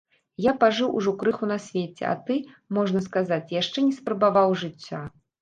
Я пажыў ужо крыху на свеце, а ты, можна сказаць, яшчэ не спрабаваў жыцця.